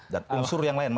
dan unsur yang lain